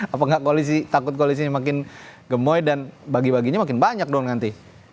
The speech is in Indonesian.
apa nggak koalisi takut koalisinya makin gemoy dan bagi baginya makin banyak dong nanti